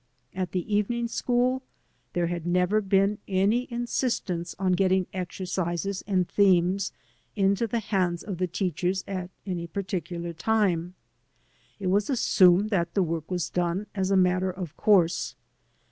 At the evening school there had never been any insistence on getting exercises and themes into the hands of the teachers at any particular time. It was assumed that the work was done, as a matter of course.